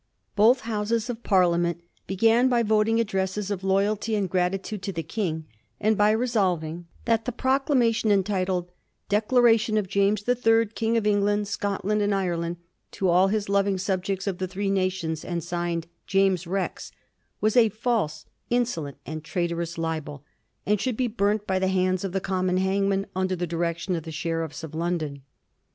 Both Houses of Parliament began by voting addresses of loyalty and gratitude to the King, and by resolving that the proclamation entitled * Decla ration of James the Third, King of England, Scot land, and Ireland, to all his loving subjects of the three nations,' and signed, 'James Rex,' was ' a false, insolent, and traitorous libel,' and should be burnt by the hands of the common hangman under the direc tion of the sheriffs of London.